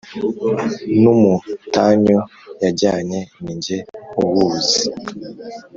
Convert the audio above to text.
N’umutanyu yajyanye ni jye uwuzi